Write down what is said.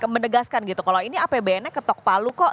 menegaskan gitu kalau ini apbn nya ketok palu kok